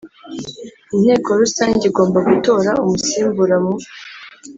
Inteko Rusange igomba gutora umusimbura mu